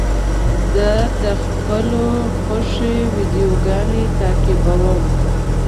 زه د خپلو خوښې ویډیوګانو تعقیب کوم.